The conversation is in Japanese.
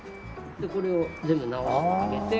これを全部直してあげて。